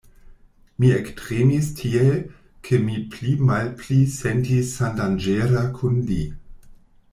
Mi ektremis tiel, ke mi pli malpli sentis sendanĝera kun li.